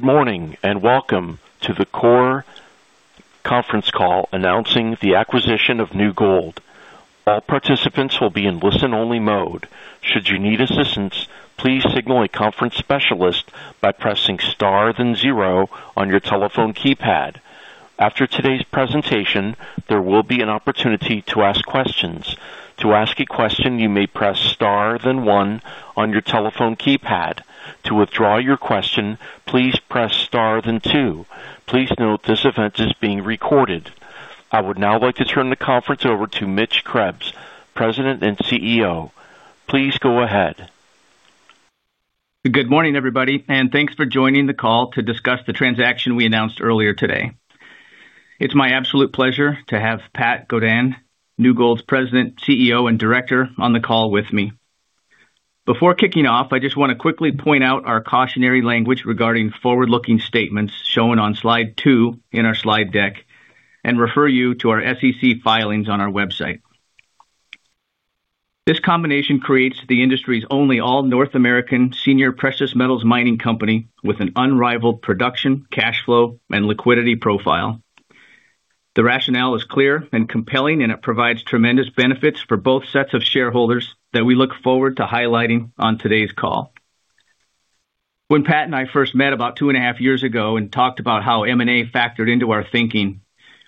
Good morning and welcome to the Coeur conference call announcing the acquisition of New Gold. All participants will be in listen-only mode. Should you need assistance, please signal a conference specialist by pressing star then zero on your telephone keypad. After today's presentation, there will be an opportunity to ask questions. To ask a question, you may press star then one on your telephone keypad. To withdraw your question, please press star then two. Please note this event is being recorded. I would now like to turn the conference over to Mitch Krebs, President and CEO. Please go ahead. Good morning, everybody, and thanks for joining the call to discuss the transaction we announced earlier today. It's my absolute pleasure to have Pat Godin, New Gold's President, CEO, and Director, on the call with me. Before kicking off, I just want to quickly point out our cautionary language regarding forward-looking statements shown on slide two in our slide deck and refer you to our SEC filings on our website. This combination creates the industry's only all-North American senior precious metals mining company with an unrivaled production, cash flow, and liquidity profile. The rationale is clear and compelling, and it provides tremendous benefits for both sets of shareholders that we look forward to highlighting on today's call. When Pat and I first met about two and a half years ago and talked about how M&A factored into our thinking,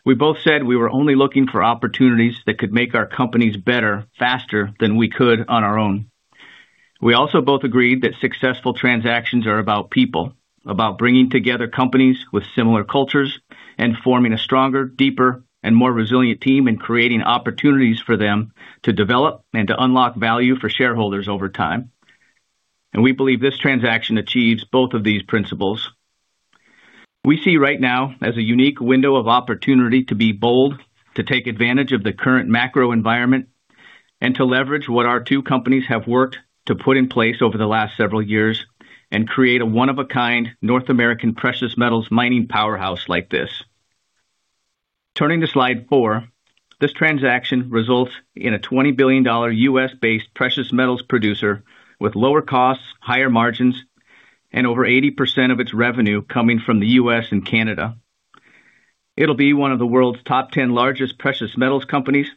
we both said we were only looking for opportunities that could make our companies better faster than we could on our own. We also both agreed that successful transactions are about people, about bringing together companies with similar cultures and forming a stronger, deeper, and more resilient team and creating opportunities for them to develop and to unlock value for shareholders over time. We believe this transaction achieves both of these principles. We see right now as a unique window of opportunity to be bold, to take advantage of the current macro environment, and to leverage what our two companies have worked to put in place over the last several years and create a one-of-a-kind North American precious metals mining powerhouse like this. Turning to slide four, this transaction results in a $20 billion US-based precious metals producer with lower costs, higher margins, and over 80% of its revenue coming from the U.S. and Canada. It will be one of the world's top 10 largest precious metals companies,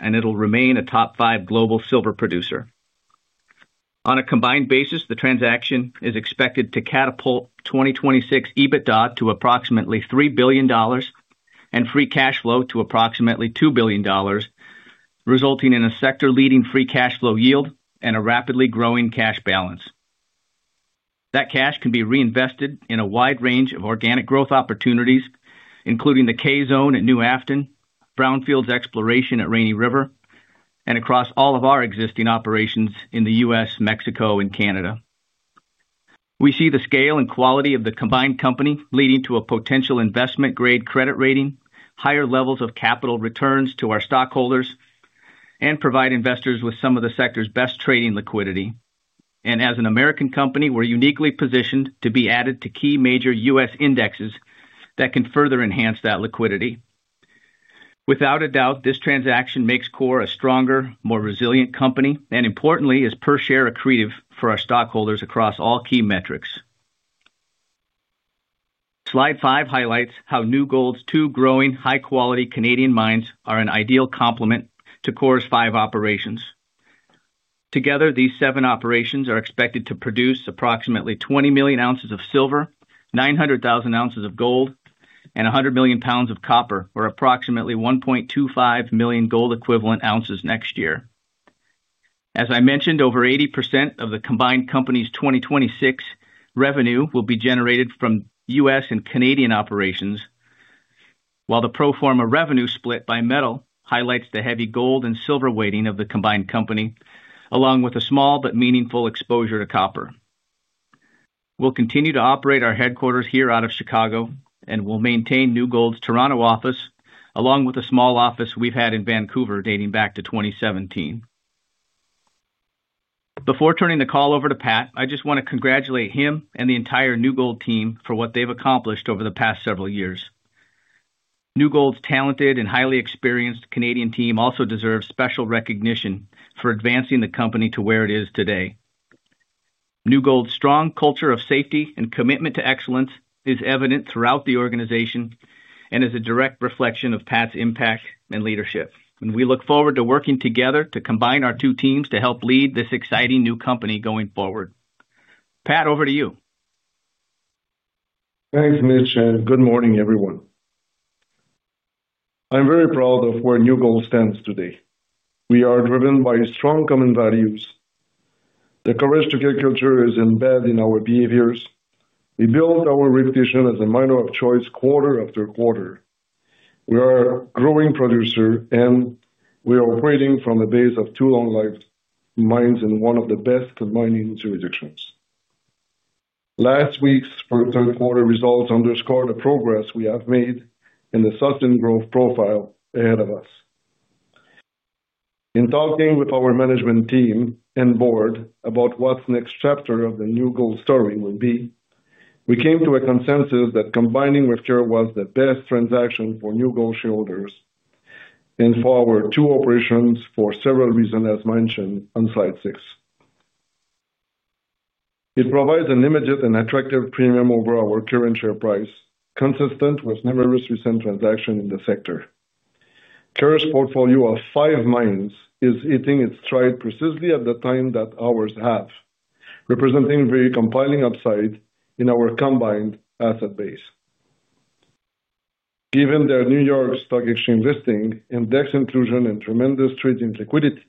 and it will remain a top five global silver producer. On a combined basis, the transaction is expected to catapult 2026 EBITDA to approximately $3 billion and free cash flow to approximately $2 billion, resulting in a sector-leading free cash flow yield and a rapidly growing cash balance. That cash can be reinvested in a wide range of organic growth opportunities, including the K-Zone at New Afton, Brownfields exploration at Rainy River, and across all of our existing operations in the U.S., Mexico, and Canada. We see the scale and quality of the combined company leading to a potential investment-grade credit rating, higher levels of capital returns to our stockholders, and provide investors with some of the sector's best trading liquidity. As an American company, we are uniquely positioned to be added to key major U.S. indexes that can further enhance that liquidity. Without a doubt, this transaction makes Coeur a stronger, more resilient company, and importantly, is per share accretive for our stockholders across all key metrics. Slide five highlights how New Gold's two growing, high-quality Canadian mines are an ideal complement to our five operations. Together, these seven operations are expected to produce approximately 20 million ounces of silver, 900,000 ounces of gold, and 100 million pounds of copper, or approximately 1.25 million gold-equivalent ounces next year. As I mentioned, over 80% of the combined company's 2026 revenue will be generated from U.S. and Canadian operations. The pro forma revenue split by metal highlights the heavy gold and silver weighting of the combined company, along with a small but meaningful exposure to copper. We will continue to operate our headquarters here out of Chicago, and we will maintain New Gold's Toronto office, along with a small office we have had in Vancouver dating back to 2017. Before turning the call over to Pat, I just want to congratulate him and the entire New Gold team for what they have accomplished over the past several years. New Gold's talented and highly experienced Canadian team also deserves special recognition for advancing the company to where it is today. New Gold's strong culture of safety and commitment to excellence is evident throughout the organization and is a direct reflection of Pat's impact and leadership. We look forward to working together to combine our two teams to help lead this exciting new company going forward. Pat, over to you. Thanks, Mitch, and good morning, everyone. I'm very proud of where New Gold stands today. We are driven by strong common values. The courage to care culture is embedded in our behaviors. We build our reputation as a miner of choice quarter after quarter. We are a growing producer, and we are operating from the base of two long-life mines in one of the best mining jurisdictions. Last week's third-quarter results underscored the progress we have made and the sustained growth profile ahead of us. In talking with our management team and board about what the next chapter of the New Gold story would be, we came to a consensus that combining with Coeur was the best transaction for New Gold shareholders. For our two operations, for several reasons, as mentioned on slide six. It provides an immediate and attractive premium over our current share price, consistent with numerous recent transactions in the sector. Coeur's portfolio of five mines is hitting its stride precisely at the time that ours has, representing very compelling upside in our combined asset base. Given their New York Stock Exchange listing, index inclusion, and tremendous trading liquidity,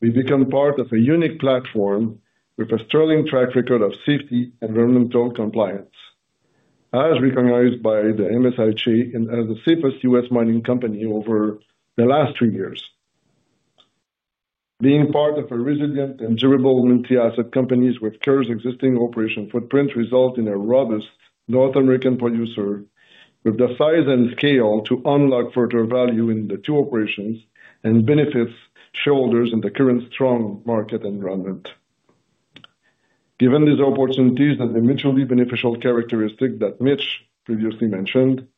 we've become part of a unique platform with a sterling track record of safety and environmental compliance, as recognized by the MSCI as the safest U.S. mining company over the last three years. Being part of a resilient and durable multi-asset company with Coeur's existing operation footprint results in a robust North American producer with the size and scale to unlock further value in the two operations and benefits shareholders in the current strong market environment. Given these opportunities and the mutually beneficial characteristics that Mitch previously mentioned,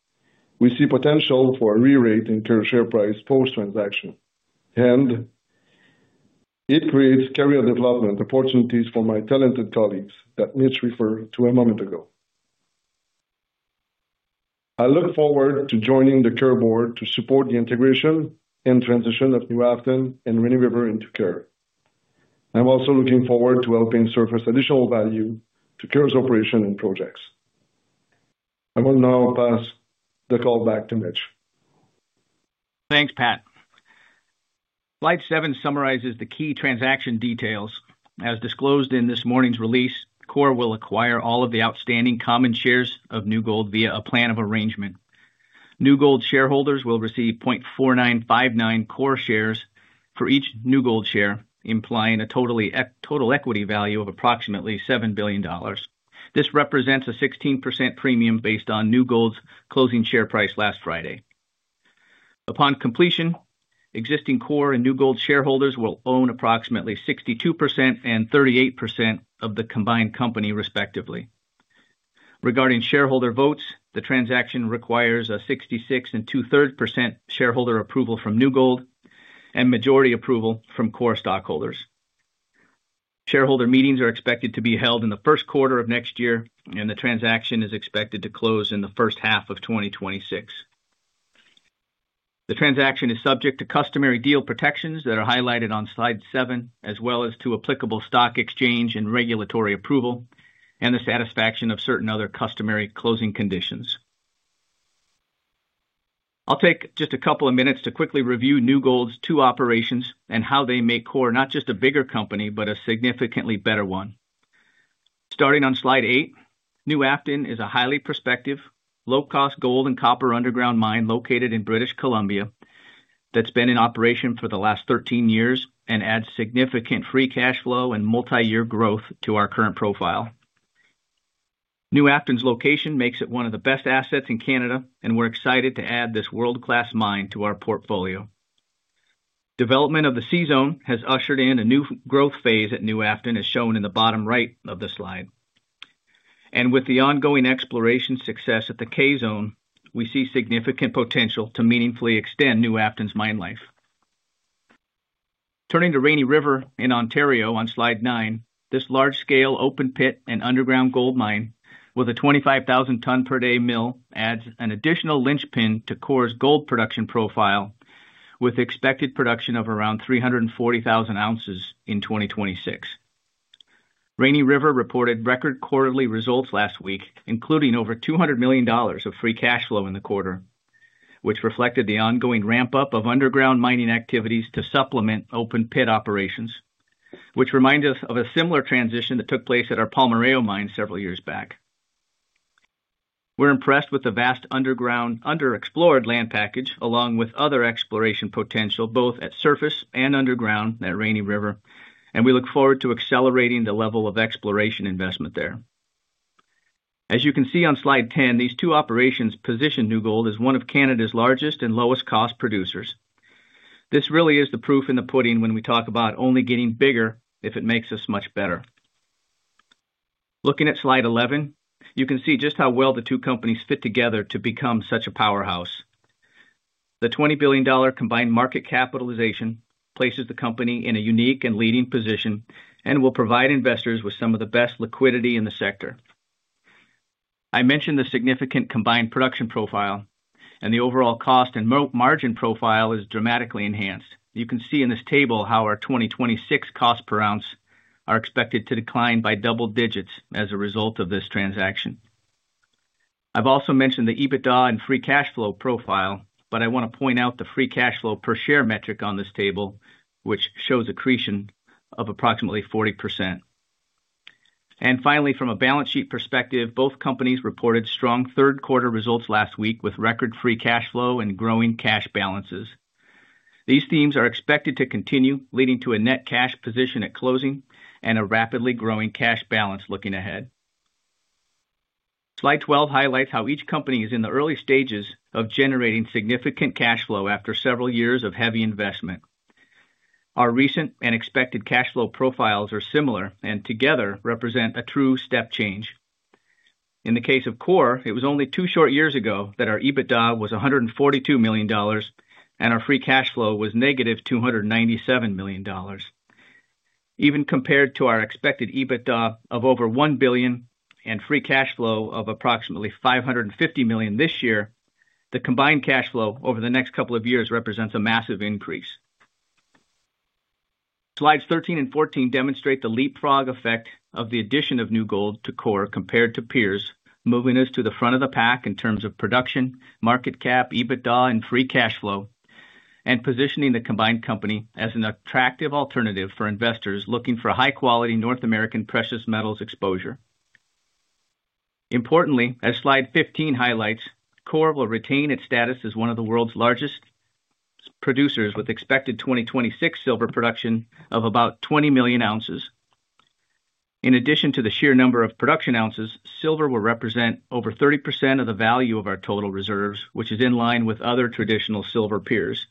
we see potential for a re-rating of Coeur share price post-transaction. It creates career development opportunities for my talented colleagues that Mitch referred to a moment ago. I look forward to joining the Coeur board to support the integration and transition of New Afton and Rainy River into Coeur. I'm also looking forward to helping surface additional value to Coeur's operation and projects. I will now pass the call back to Mitch. Thanks, Pat. Slide seven summarizes the key transaction details. As disclosed in this morning's release, Coeur will acquire all of the outstanding common shares of New Gold via a plan of arrangement. New Gold shareholders will receive 0.4959 Coeur shares for each New Gold share, implying a total equity value of approximately $7 billion. This represents a 16% premium based on New Gold's closing share price last Friday. Upon completion, existing Coeur and New Gold shareholders will own approximately 62% and 38% of the combined company, respectively. Regarding shareholder votes, the transaction requires a 66 2/3% shareholder approval from New Gold and majority approval from Coeur stockholders. Shareholder meetings are expected to be held in the first quarter of next year, and the transaction is expected to close in the first half of 2026. The transaction is subject to customary deal protections that are highlighted on slide seven, as well as to applicable stock exchange and regulatory approval, and the satisfaction of certain other customary closing conditions. I'll take just a couple of minutes to quickly review New Gold's two operations and how they make Coeur not just a bigger company, but a significantly better one. Starting on slide eight, New Afton is a highly prospective, low-cost gold and copper underground mine located in British Columbia that's been in operation for the last 13 years and adds significant free cash flow and multi-year growth to our current profile. New Afton's location makes it one of the best assets in Canada, and we're excited to add this world-class mine to our portfolio. Development of the C-Zone has ushered in a new growth phase at New Afton, as shown in the bottom right of the slide. With the ongoing exploration success at the K-Zone, we see significant potential to meaningfully extend New Afton's mine life. Turning to Rainy River in Ontario on slide nine, this large-scale open pit and underground gold mine with a 25,000 ton per day mill adds an additional linchpin to Coeur's gold production profile, with expected production of around 340,000 ounces in 2026. Rainy River reported record quarterly results last week, including over $200 million of free cash flow in the quarter, which reflected the ongoing ramp-up of underground mining activities to supplement open pit operations, which reminds us of a similar transition that took place at our Palmarejo mine several years back. We're impressed with the vast underground underexplored land package, along with other exploration potential both at surface and underground at Rainy River, and we look forward to accelerating the level of exploration investment there. As you can see on slide 10, these two operations position New Gold as one of Canada's largest and lowest-cost producers. This really is the proof in the pudding when we talk about only getting bigger if it makes us much better. Looking at slide 11, you can see just how well the two companies fit together to become such a powerhouse. The $20 billion combined market capitalization places the company in a unique and leading position and will provide investors with some of the best liquidity in the sector. I mentioned the significant combined production profile, and the overall cost and margin profile is dramatically enhanced. You can see in this table how our 2026 cost per ounce are expected to decline by double digits as a result of this transaction. I've also mentioned the EBITDA and free cash flow profile, but I want to point out the free cash flow per share metric on this table, which shows accretion of approximately 40%. Finally, from a balance sheet perspective, both companies reported strong third-quarter results last week with record free cash flow and growing cash balances. These themes are expected to continue, leading to a net cash position at closing and a rapidly growing cash balance looking ahead. Slide 12 highlights how each company is in the early stages of generating significant cash flow after several years of heavy investment. Our recent and expected cash flow profiles are similar and together represent a true step change. In the case of Coeur, it was only two short years ago that our EBITDA was $142 million, and our free cash flow was negative $297 million. Even compared to our expected EBITDA of over $1 billion and free cash flow of approximately $550 million this year, the combined cash flow over the next couple of years represents a massive increase. Slides 13 and 14 demonstrate the leapfrog effect of the addition of New Gold to the company compared to peers, moving us to the front of the pack in terms of production, market cap, EBITDA, and free cash flow, and positioning the combined company as an attractive alternative for investors looking for high-quality North American precious metals exposure. Importantly, as slide 15 highlights, Coeur will retain its status as one of the world's largest producers with expected 2026 silver production of about 20 million ounces. In addition to the sheer number of production ounces, silver will represent over 30% of the value of our total reserves, which is in line with other traditional silver peers.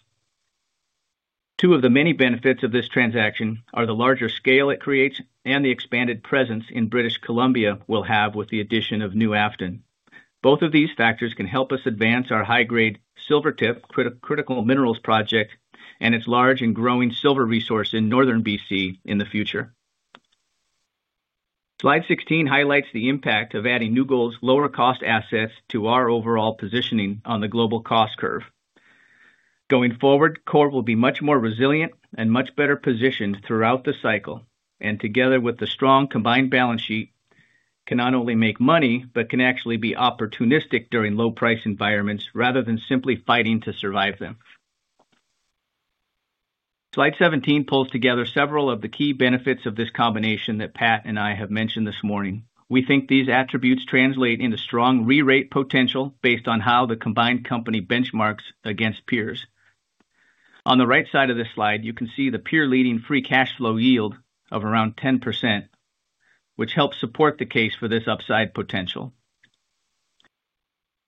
Two of the many benefits of this transaction are the larger scale it creates and the expanded presence in British Columbia we'll have with the addition of New Afton. Both of these factors can help us advance our high-grade Silvertip critical minerals project and its large and growing silver resource in Northern BC in the future. Slide 16 highlights the impact of adding New Gold's lower-cost assets to our overall positioning on the global cost curve. Going forward, Coeur will be much more resilient and much better positioned throughout the cycle, and together with the strong combined balance sheet, can not only make money but can actually be opportunistic during low-price environments rather than simply fighting to survive them. Slide 17 pulls together several of the key benefits of this combination that Pat and I have mentioned this morning. We think these attributes translate into strong re-rate potential based on how the combined company benchmarks against peers. On the right side of this slide, you can see the peer-leading free cash flow yield of around 10%, which helps support the case for this upside potential.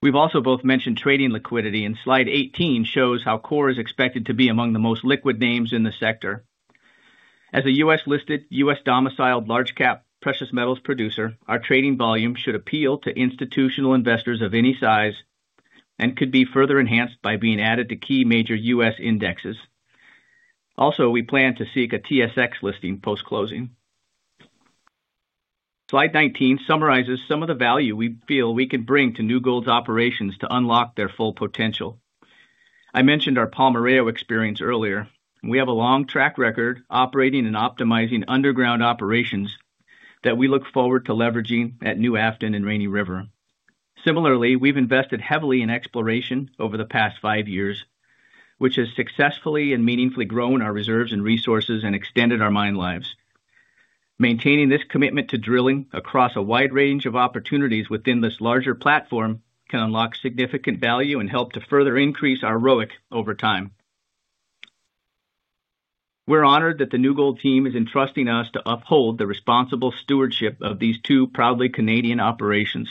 We've also both mentioned trading liquidity, and slide 18 shows how Coeur is expected to be among the most liquid names in the sector. As a US-listed, US-domiciled large-cap precious metals producer, our trading volume should appeal to institutional investors of any size and could be further enhanced by being added to key major U.S. indexes. Also, we plan to seek a TSX listing post-closing. Slide 19 summarizes some of the value we feel we can bring to New Gold's operations to unlock their full potential. I mentioned our Palmarejo experience earlier. We have a long track record operating and optimizing underground operations that we look forward to leveraging at New Afton and Rainy River. Similarly, we've invested heavily in exploration over the past five years, which has successfully and meaningfully grown our reserves and resources and extended our mine lives. Maintaining this commitment to drilling across a wide range of opportunities within this larger platform can unlock significant value and help to further increase our ROIC over time. We're honored that the New Gold team is entrusting us to uphold the responsible stewardship of these two proudly Canadian operations.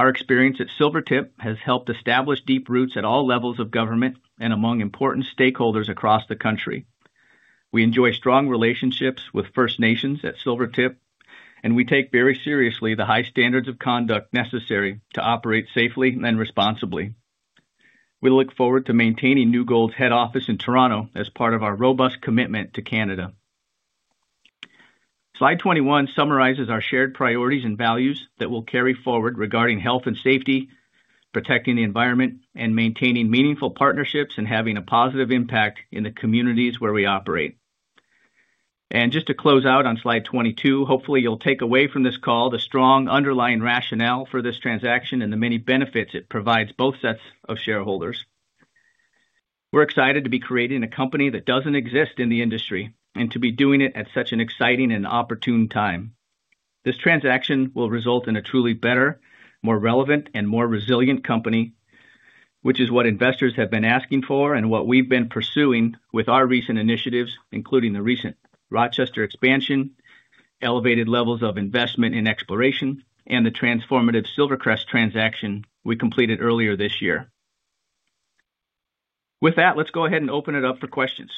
Our experience at Silvertip has helped establish deep roots at all levels of government and among important stakeholders across the country. We enjoy strong relationships with First Nations at Silvertip, and we take very seriously the high standards of conduct necessary to operate safely and responsibly. We look forward to maintaining New Gold's head office in Toronto as part of our robust commitment to Canada. Slide 21 summarizes our shared priorities and values that we'll carry forward regarding health and safety, protecting the environment, and maintaining meaningful partnerships and having a positive impact in the communities where we operate. Just to close out on slide 22, hopefully you'll take away from this call the strong underlying rationale for this transaction and the many benefits it provides both sets of shareholders. We're excited to be creating a company that doesn't exist in the industry and to be doing it at such an exciting and opportune time. This transaction will result in a truly better, more relevant, and more resilient company, which is what investors have been asking for and what we've been pursuing with our recent initiatives, including the recent Rochester expansion, elevated levels of investment in exploration, and the transformative Silvertip transaction we completed earlier this year. With that, let's go ahead and open it up for questions.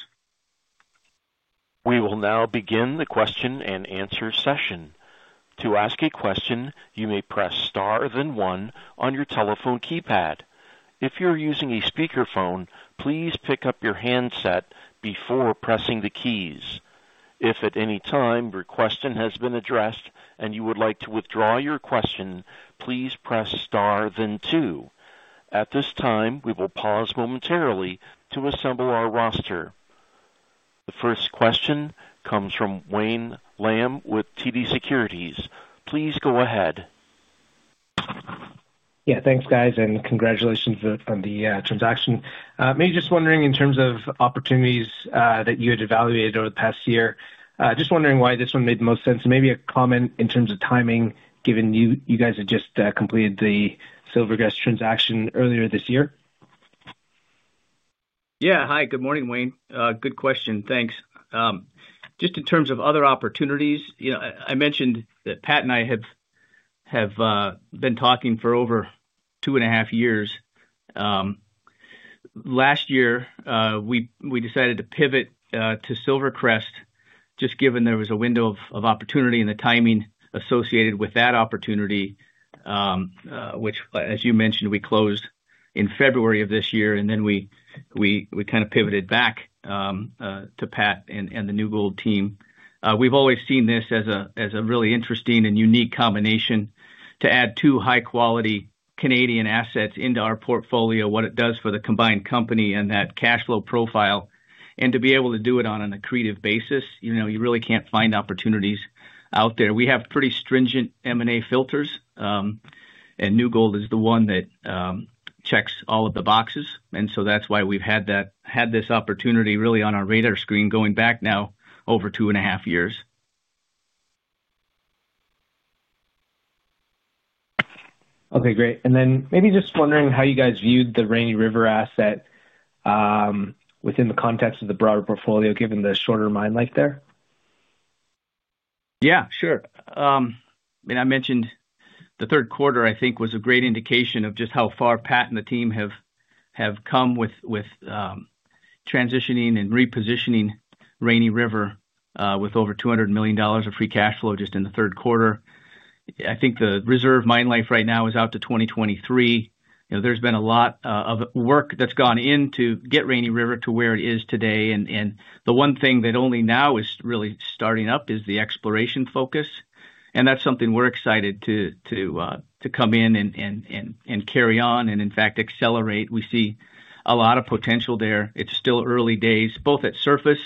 We will now begin the question and answer session. To ask a question, you may press star then one on your telephone keypad. If you're using a speakerphone, please pick up your handset before pressing the keys. If at any time your question has been addressed and you would like to withdraw your question, please press star then two. At this time, we will pause momentarily to assemble our roster. The first question comes from Wayne Lam with TD Securities. Please go ahead. Yeah, thanks, guys, and congratulations on the transaction. Maybe just wondering in terms of opportunities that you had evaluated over the past year, just wondering why this one made the most sense. Maybe a comment in terms of timing, given you guys had just completed the SilverCrest transaction earlier this year. Yeah, hi, good morning, Wayne. Good question, thanks. Just in terms of other opportunities, I mentioned that Pat and I have been talking for over two and a half years. Last year, we decided to pivot to SilverCrest just given there was a window of opportunity and the timing associated with that opportunity, which, as you mentioned, we closed in February of this year, and then we kind of pivoted back to Pat and the New Gold team. We've always seen this as a really interesting and unique combination to add two high-quality Canadian assets into our portfolio, what it does for the combined company and that cash flow profile, and to be able to do it on an accretive basis. You really can't find opportunities out there. We have pretty stringent M&A filters, and New Gold is the one that checks all of the boxes. That's why we've had this opportunity really on our radar screen going back now over two and a half years. Okay, great. Maybe just wondering how you guys viewed the Rainy River asset within the context of the broader portfolio, given the shorter mine life there. Yeah, sure. I mean, I mentioned the third quarter, I think, was a great indication of just how far Pat and the team have come with transitioning and repositioning Rainy River with over $200 million of free cash flow just in the third quarter. I think the reserve mine life right now is out to 2023. There has been a lot of work that has gone in to get Rainy River to where it is today. The one thing that only now is really starting up is the exploration focus. That is something we are excited to come in and carry on and, in fact, accelerate. We see a lot of potential there. It is still early days, both at surface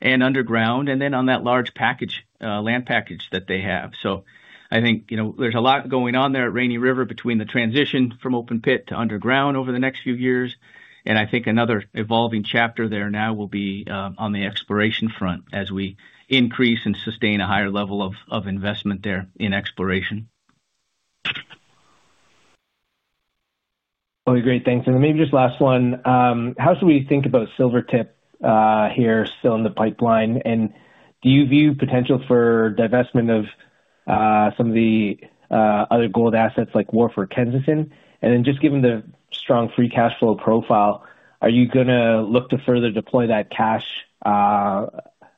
and underground, and then on that large land package that they have. I think there is a lot going on there at Rainy River between the transition from open pit to underground over the next few years. I think another evolving chapter there now will be on the exploration front as we increase and sustain a higher level of investment there in exploration. Okay, great, thanks. Maybe just last one. How should we think about Silvertip here still in the pipeline? Do you view potential for divestment of some of the other gold assets like Wharf or Kensington? Given the strong free cash flow profile, are you going to look to further deploy that cash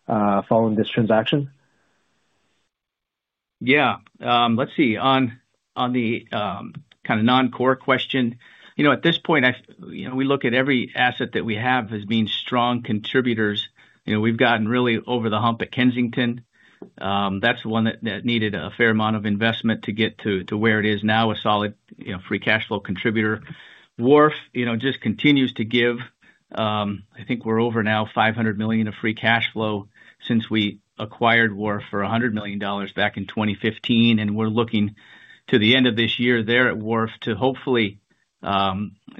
following this transaction? Yeah, let's see. On the kind of non-Coeur question, at this point, we look at every asset that we have as being strong contributors. We've gotten really over the hump at Kensington. That's the one that needed a fair amount of investment to get to where it is now, a solid free cash flow contributor. Wharf just continues to give. I think we're over now $500 million of free cash flow since we acquired Wharf for $100 million back in 2015. We're looking to the end of this year there at Wharf to hopefully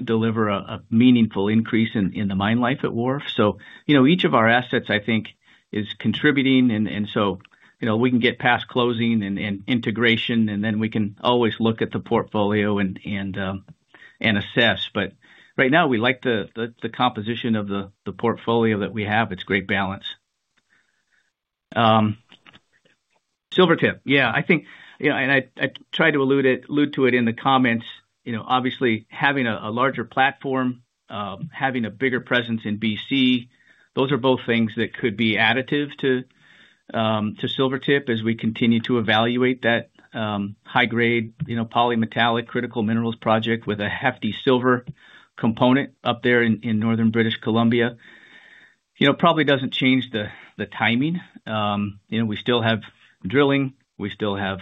deliver a meaningful increase in the mine life at Wharf. Each of our assets, I think, is contributing. Once we get past closing and integration, we can always look at the portfolio and assess. Right now, we like the composition of the portfolio that we have. It's great balance. Silvertip, yeah, I think, and I tried to allude to it in the comments, obviously having a larger platform, having a bigger presence in British Columbia, those are both things that could be additive to Silvertip as we continue to evaluate that high-grade polymetallic critical minerals project with a hefty silver component up there in northern British Columbia. Probably doesn't change the timing. We still have drilling. We still have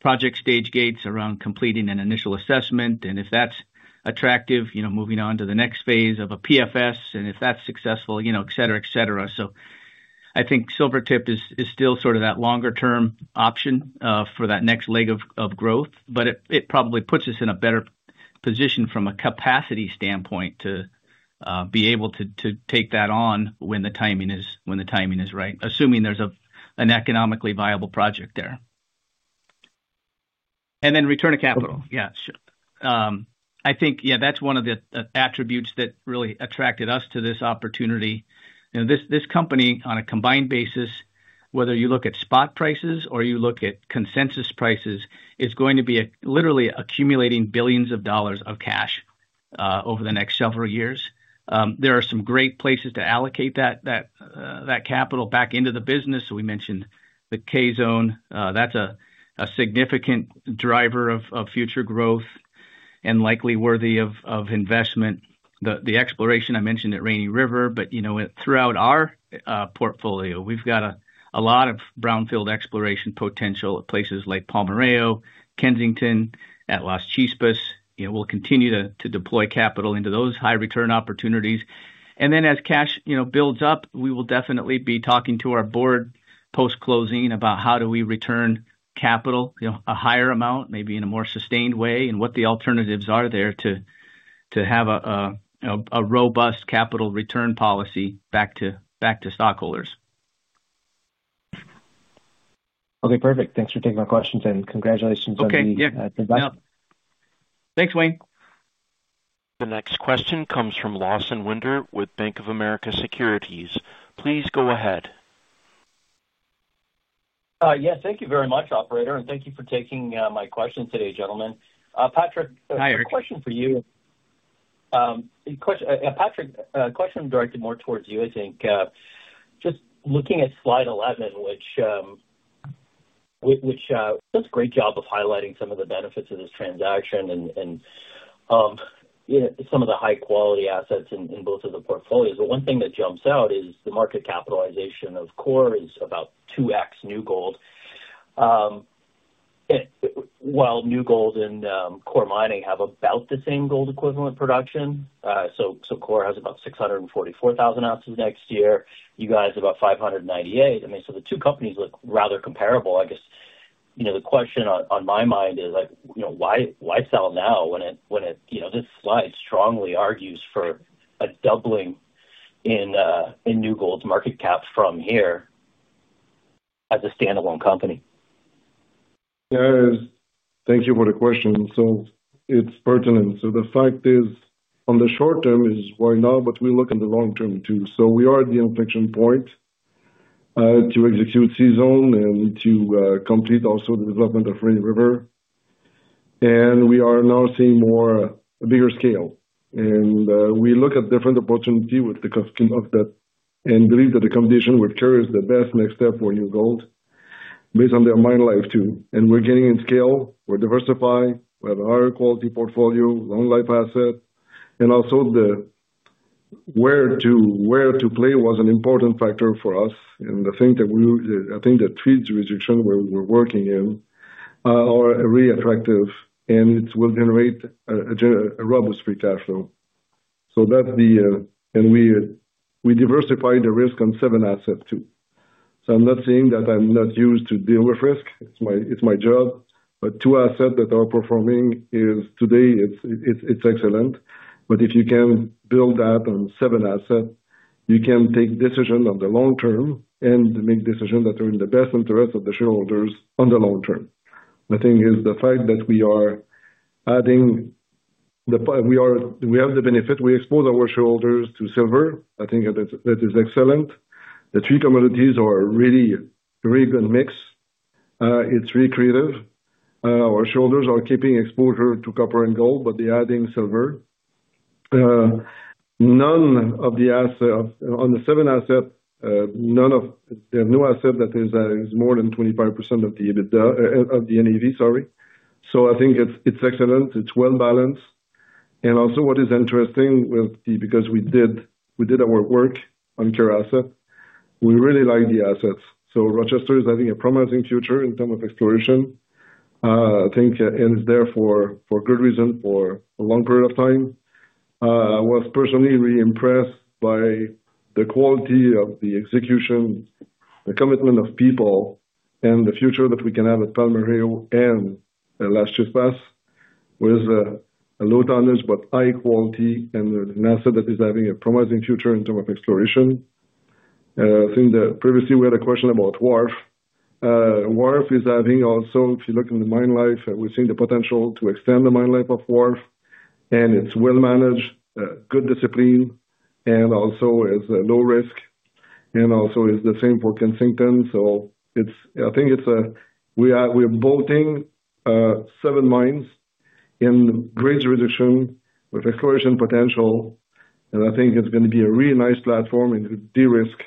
project stage gates around completing an initial assessment. If that's attractive, moving on to the next phase of a pre-feasibility study, and if that's successful, etc., etc. I think Silvertip is still sort of that longer-term option for that next leg of growth, but it probably puts us in a better position from a capacity standpoint to be able to take that on when the timing is right, assuming there's an economically viable project there. Return to capital, yeah, sure. I think, yeah, that's one of the attributes that really attracted us to this opportunity. This company, on a combined basis, whether you look at spot prices or you look at consensus prices, is going to be literally accumulating billions of dollars of cash over the next several years. There are some great places to allocate that capital back into the business. We mentioned the K-Zone. That's a significant driver of future growth and likely worthy of investment. The exploration I mentioned at Rainy River, but throughout our portfolio, we've got a lot of brownfields exploration potential at places like Palmarejo, Kensington, at Las Chispas. We'll continue to deploy capital into those high-return opportunities. As cash builds up, we will definitely be talking to our board post-closing about how do we return capital, a higher amount, maybe in a more sustained way, and what the alternatives are there to have a robust capital return policy back to stockholders. Okay, perfect. Thanks for taking my questions and congratulations on the transaction. Okay, yeah. Thanks, Wayne. The next question comes from Lawson Winder with Bank of America Securities. Please go ahead. Yes, thank you very much, operator, and thank you for taking my question today, gentlemen. Patrick. Hi. Question for you. Patrick, question directed more towards you, I think. Just looking at slide 11, which does a great job of highlighting some of the benefits of this transaction and some of the high-quality assets in both of the portfolios. One thing that jumps out is the market capitalization of Coeur is about 2x New Gold. While New Gold and Coeur Mining have about the same gold equivalent production, so Coeur has about 644,000 ounces next year, you guys about 598. I mean, the two companies look rather comparable. I guess the question on my mind is, why sell now when this slide strongly argues for a doubling in New Gold's market cap from here as a standalone company? Thank you for the question. It's pertinent. The fact is, on the short term, is why now, but we look in the long term too. We are at the inflection point to execute C-Zone and to complete also the development of Rainy River. We are now seeing a bigger scale. We look at different opportunities with the cost of that and believe that the combination with Coeur is the best next step for New Gold. Based on their mine life too. We're getting in scale. We're diversified. We have a higher quality portfolio, long-life asset. Also, where to play was an important factor for us. I think that feeds the restriction where we're working in, are really attractive, and it will generate a robust free cash flow. That's the— and we diversify the risk on seven assets too. I'm not saying that I'm not used to deal with risk. It's my job. Two assets that are performing today, it's excellent. If you can build that on seven assets, you can take decisions on the long term and make decisions that are in the best interest of the shareholders on the long term. I think the fact that we are adding, we have the benefit, we expose our shareholders to silver. I think that is excellent. The three commodities are really a really good mix. It's really accretive. Our shareholders are keeping exposure to copper and gold, but they're adding silver. None of the assets on the seven assets, there are no assets that are more than 25% of the NAV, sorry. I think it's excellent. It's well-balanced. Also, what is interesting, because we did our work on Coeur assets, we really like the assets. Rochester is having a promising future in terms of exploration. I think it's there for good reason for a long period of time. I was personally really impressed by the quality of the execution, the commitment of people, and the future that we can have at Palmarejo and Las Chispas with a low tonnage but high quality and an asset that is having a promising future in terms of exploration. I think that previously we had a question about Wharf. Wharf is having also, if you look in the mine life, we're seeing the potential to extend the mine life of Wharf. It's well-managed, good discipline, and also is low risk. Also, it's the same for Kensington. I think we're bolting seven mines in great reduction with exploration potential. I think it's going to be a really nice platform and de-risk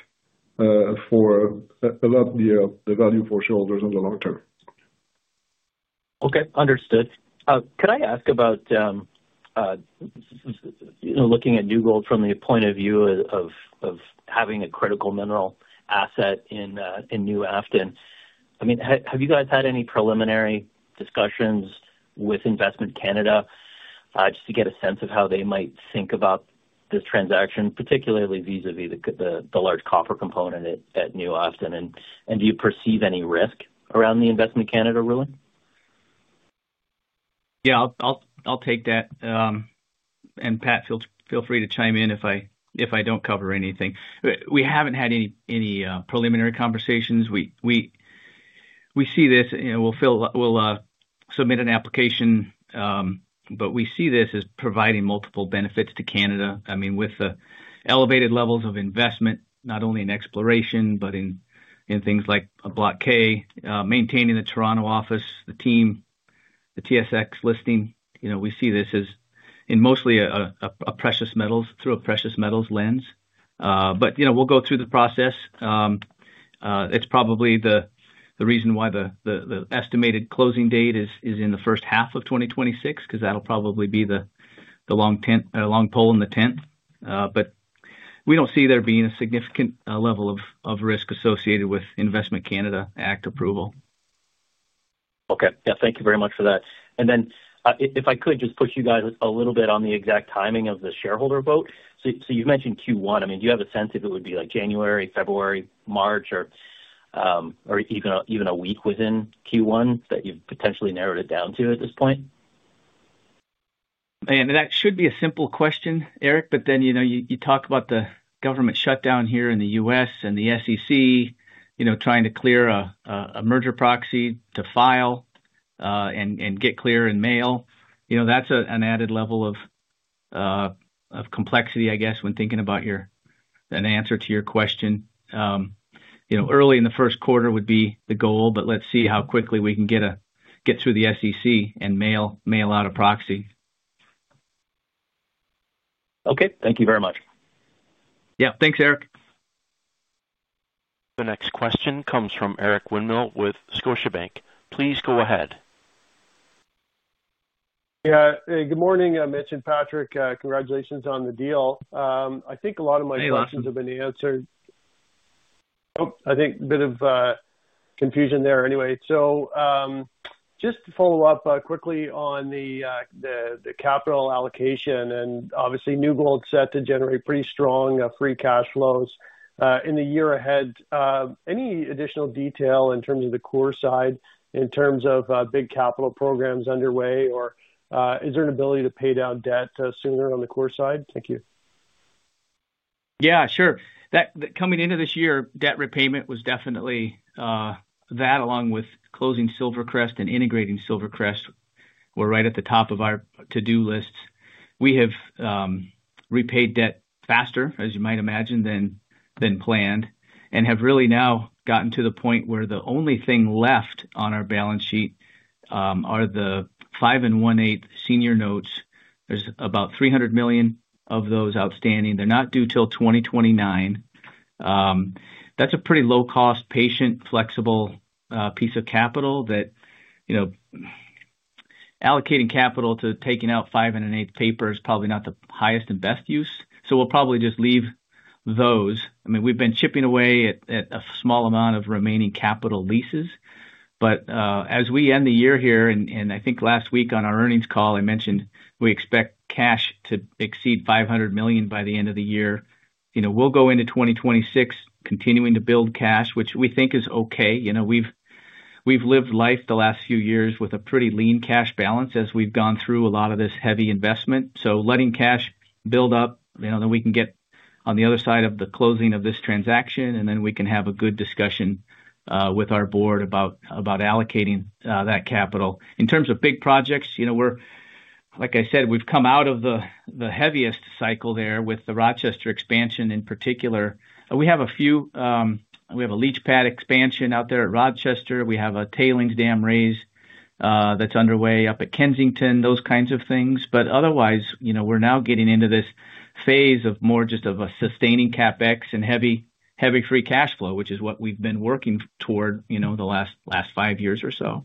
for a lot of the value for shareholders on the long term. Okay, understood. Could I ask about, looking at New Gold from the point of view of having a critical mineral asset in New Afton? I mean, have you guys had any preliminary discussions with Investment Canada just to get a sense of how they might think about this transaction, particularly vis-à-vis the large copper component at New Afton? And do you perceive any risk around the Investment Canada ruling? Yeah, I'll take that. Pat, feel free to chime in if I do not cover anything. We have not had any preliminary conversations. We see this. We will submit an application. We see this as providing multiple benefits to Canada. I mean, with the elevated levels of investment, not only in exploration, but in things like a Block K, maintaining the Toronto office, the team, the TSX listing, we see this as in mostly a precious metals, through a precious metals lens. We will go through the process. It is probably the reason why the estimated closing date is in the first half of 2026, because that will probably be the long pole in the tent. We do not see there being a significant level of risk associated with Investment Canada Act approval. Okay. Yeah, thank you very much for that. And then if I could just push you guys a little bit on the exact timing of the shareholder vote. You have mentioned Q1. I mean, do you have a sense if it would be like January, February, March, or even a week within Q1 that you have potentially narrowed it down to at this point? That should be a simple question, Eric, but then you talk about the government shutdown here in the U.S. and the SEC trying to clear a merger proxy to file and get clear in mail. That is an added level of complexity, I guess, when thinking about an answer to your question. Early in the first quarter would be the goal, but let's see how quickly we can get through the SEC and mail out a proxy. Okay, thank you very much. Yeah, thanks, Eric. The next question comes from Eric Winmill with Scotiabank. Please go ahead. Yeah, good morning, Mitch and Patrick. Congratulations on the deal. I think a lot of my questions have been answered. Hey, Eric. I think a bit of confusion there anyway. Just to follow up quickly on the capital allocation, and obviously New Gold is set to generate pretty strong free cash flows in the year ahead. Any additional detail in terms of the Coeur side, in terms of big capital programs underway, or is there an ability to pay down debt sooner on the Coeur side? Thank you. Yeah, sure. Coming into this year, debt repayment was definitely. That, along with closing SilverCrest and integrating SilverCrest, were right at the top of our to-do lists. We have repaid debt faster, as you might imagine, than planned, and have really now gotten to the point where the only thing left on our balance sheet are the 5 and 1/8 senior notes. There's about $300 million of those outstanding. They're not due till 2029. That's a pretty low-cost, patient, flexible piece of capital that allocating capital to taking out 5 and 1/8 paper is probably not the highest and best use. We'll probably just leave those. I mean, we've been chipping away at a small amount of remaining capital leases. As we end the year here, and I think last week on our earnings call, I mentioned we expect cash to exceed $500 million by the end of the year. We'll go into 2026 continuing to build cash, which we think is okay. We've lived life the last few years with a pretty lean cash balance as we've gone through a lot of this heavy investment. Letting cash build up, then we can get on the other side of the closing of this transaction, and then we can have a good discussion with our board about allocating that capital. In terms of big projects, like I said, we've come out of the heaviest cycle there with the Rochester expansion in particular. We have a few. We have a leachpad expansion out there at Rochester. We have a tailings dam raise that's underway up at Kensington, those kinds of things. Otherwise, we're now getting into this phase of more just of a sustaining CapEx and heavy free cash flow, which is what we've been working toward the last five years or so.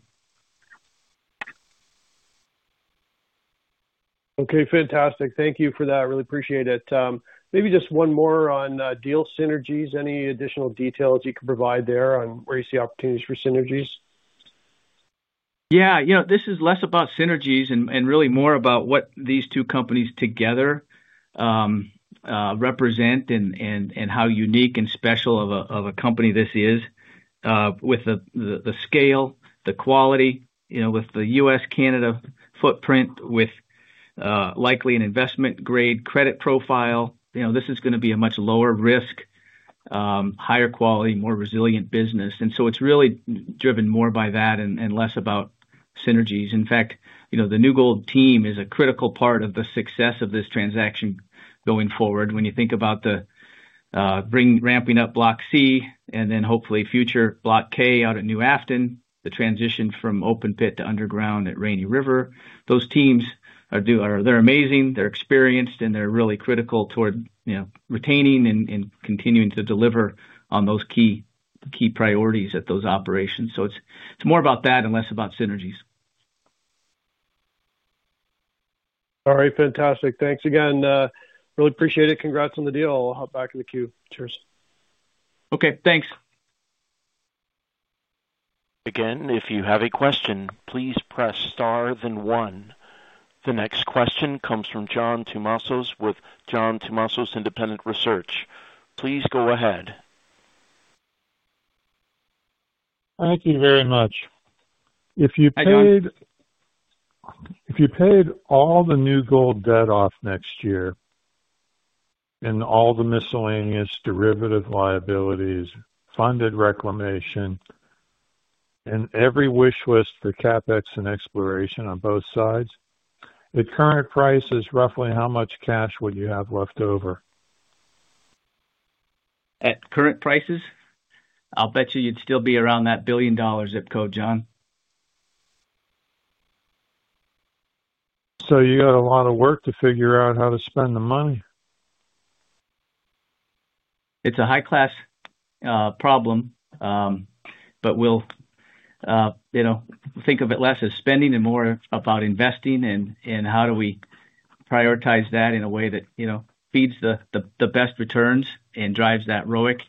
Okay, fantastic. Thank you for that. I really appreciate it. Maybe just one more on deal synergies. Any additional details you can provide there on where you see opportunities for synergies? Yeah, this is less about synergies and really more about what these two companies together represent and how unique and special of a company this is. With the scale, the quality, with the U.S., Canada footprint, with likely an investment-grade credit profile. This is going to be a much lower risk, higher quality, more resilient business. It is really driven more by that and less about synergies. In fact, the New Gold team is a critical part of the success of this transaction going forward. When you think about the ramping up Block C and then hopefully future Block K out at New Afton, the transition from open pit to underground at Rainy River, those teams are amazing. They're experienced, and they're really critical toward retaining and continuing to deliver on those key priorities at those operations. It is more about that and less about synergies. All right, fantastic. Thanks again. Really appreciate it. Congrats on the deal. I'll hop back in the queue. Cheers. Okay, thanks. Again, if you have a question, please press star then one. The next question comes from John Tumazos with John Tumazos Independent Research. Please go ahead. Thank you very much. If you paid all the New Gold debt off next year, and all the miscellaneous derivative liabilities, funded reclamation, and every wish list for CapEx and exploration on both sides, at current prices, roughly how much cash would you have left over? At current prices? I'll bet you you'd still be around that billion dollar zip code, John. You got a lot of work to figure out how to spend the money. It's a high-class problem. We'll think of it less as spending and more about investing and how do we prioritize that in a way that feeds the best returns and drives that ROIC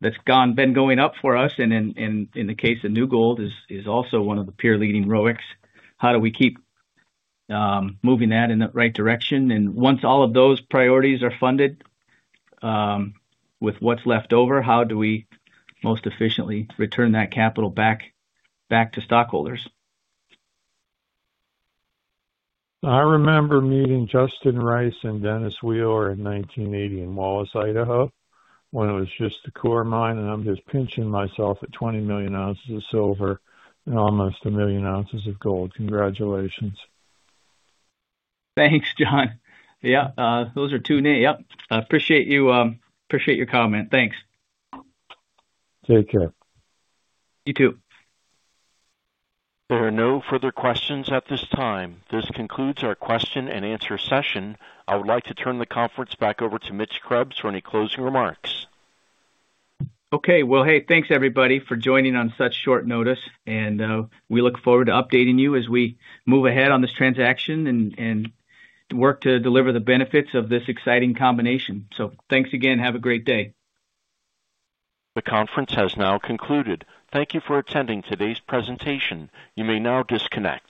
that's been going up for us. In the case of New Gold, it's also one of the peer-leading ROICs. How do we keep moving that in the right direction? Once all of those priorities are funded, with what's left over, how do we most efficiently return that capital back to stockholders? I remember meeting Justin Rice and Dennis Wheeler in 1980 in Wallace, Idaho, when it was just the Coeur` mine, and I'm just pinching myself at 20 million ounces of silver and almost 1 million ounces of gold. Congratulations. Thanks, John. Yeah, those are two names. Yep. I appreciate your comment. Thanks. Take care. You too. There are no further questions at this time. This concludes our question and answer session. I would like to turn the conference back over to Mitch Krebs for any closing remarks. Okay, hey, thanks everybody for joining on such short notice. We look forward to updating you as we move ahead on this transaction and work to deliver the benefits of this exciting combination. Thanks again. Have a great day. The conference has now concluded. Thank you for attending today's presentation. You may now disconnect.